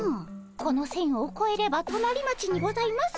この線をこえれば隣町にございます。